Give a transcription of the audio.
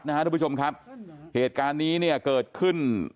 ทุกผู้ชมครับเหตุการณ์นี้เนี่ยเกิดขึ้น